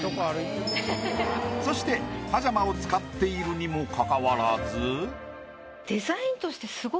そしてパジャマを使っているにもかかわらず。